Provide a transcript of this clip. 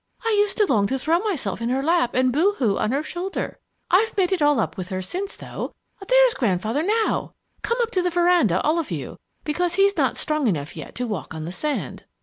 I used to long to throw myself in her lap and boo hoo on her shoulder! I've made it all up with her since, though! There's Grandfather now! Come up to the veranda, all of you, because he's not strong enough yet to walk on the sand."